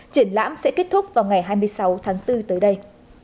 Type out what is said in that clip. triển lãm sẽ kết thúc vào ngày hai mươi sáu tháng bốn tới đây